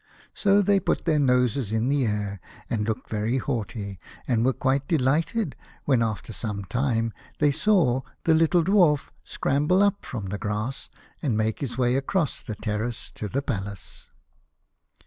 So they put their noses in the air, and looked very haughty, and were quite delighted when 48 The Birthday of the Infanta. after some time they saw the little Dwarf scramble up from the grass, and make his way across the terrace to the palace.